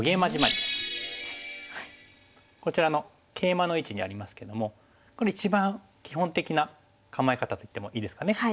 こちらのケイマの位置にありますけどもこれ一番基本的な構え方といってもいいですかね。